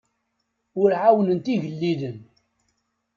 Ur ɛawnent igellilen.